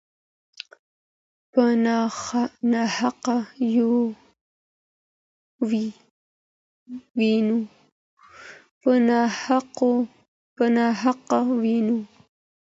په ناحقه وینو